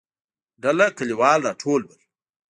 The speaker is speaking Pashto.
ډله کليوال راټول ول.